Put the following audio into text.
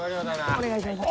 お願いします。